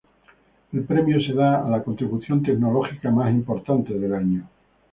El premio se da a la contribución tecnológica más importante del año.